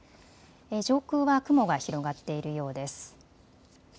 上空は雲が広がっているようです。